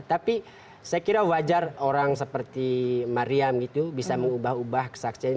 tapi saya kira wajar orang seperti mariam gitu bisa mengubah ubah kesaksian